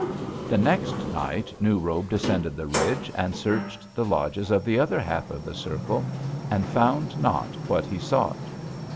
"The next night New Robe descended the ridge and searched the lodges of the other half of the circle, and found not what he sought.